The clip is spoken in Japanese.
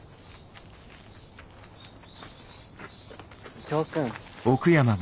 伊藤君。